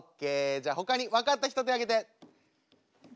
じゃあほかに分かった人手挙げて。